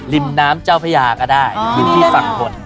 ริมน้ำเจ้าพญาก็ได้พื้นที่ฝั่งคน